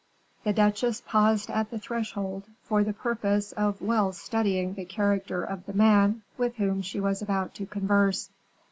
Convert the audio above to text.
The duchesse paused at the threshold, for the purpose of well studying the character of the man with whom she was about to converse.